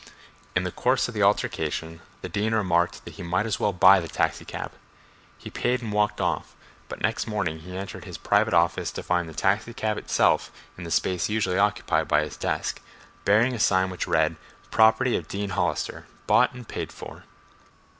In the course of the altercation the dean remarked that he "might as well buy the taxicab." He paid and walked off, but next morning he entered his private office to find the taxicab itself in the space usually occupied by his desk, bearing a sign which read "Property of Dean Hollister. Bought and Paid for."...